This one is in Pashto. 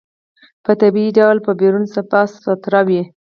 په طبيعي ډول به بيرون صفا سوتره وي.